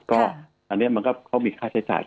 ก็อันนี้มันก็เขามีค่าใช้จ่าย